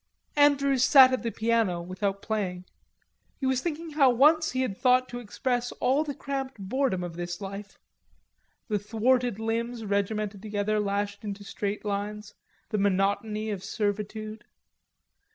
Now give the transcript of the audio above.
Andrews sat at the piano without playing. He was thinking how once he had thought to express all the cramped boredom of this life; the thwarted limbs regimented together, lashed into straight lines, the monotony of servitude.